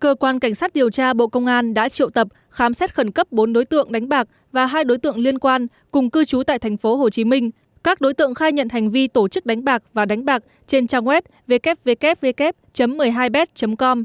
cơ quan cảnh sát điều tra bộ công an đã triệu tập khám xét khẩn cấp bốn đối tượng đánh bạc và hai đối tượng liên quan cùng cư trú tại tp hcm các đối tượng khai nhận hành vi tổ chức đánh bạc và đánh bạc trên trang web ww một mươi hai bet com